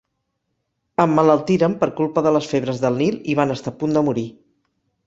Emmalaltiren per culpa de les febres del Nil, i van estar a punt de morir.